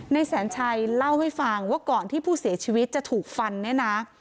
แสนชัยเล่าให้ฟังว่าก่อนที่ผู้เสียชีวิตจะถูกฟันเนี่ยนะ